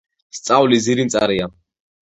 სწავლის ძირი მწარეა